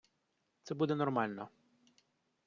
Це буде нормально.